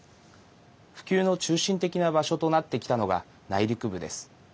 普及の中心的な場所となってきたのが内陸部です。